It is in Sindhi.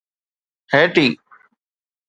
هيٽي